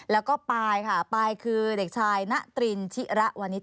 แล้วก็ปายค่ะปายคือเด็กชายนะตรินทิระวณิช